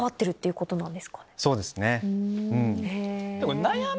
そうですね。